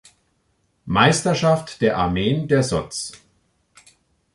Meisterschaft der Armeen der soz.